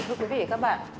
thưa quý vị và các bạn